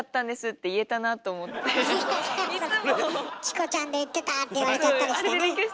「チコちゃん」で言ってた！って言われちゃったりしてね。